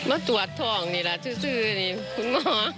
มาตรวจทองนี่แหละซื้อนี่คุณหมอ